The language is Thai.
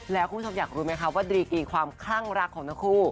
แล้วคุณผู้ชมอยากรู้ไหมคะว่าดีกีความคลั่งรักของทั้งคู่